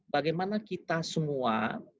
bagaimana kita semua